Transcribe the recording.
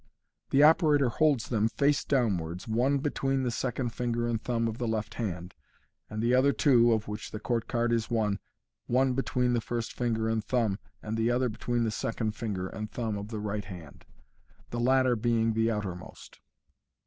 The operator holds them, face downwards, one between the second finger and thumb of the left hand, and the other two (of which the court card is one) one between the first finger and thumb, and the other between the second finger and thumb of the right hand, the latter being the outermost.